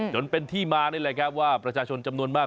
จนเป็นที่มานี่แหละครับว่าประชาชนจำนวนมาก